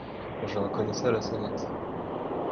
Je reconnais ça à la sonnette…